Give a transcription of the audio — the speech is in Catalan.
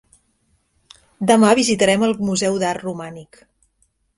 Demà visitarem el museu d'art romànic.